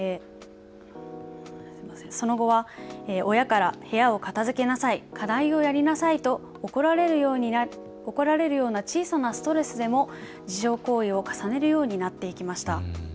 その後は親から部屋を片づけなさい、課題やりなさいと怒られるような小さなストレスでも自傷行為を重ねるようになっていきました。